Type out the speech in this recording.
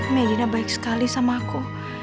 medina baik sekali sama aku